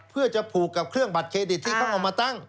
เพื่อจะผูกกับเครื่องบัตรเครดิตที่เขาเอามาตั้ง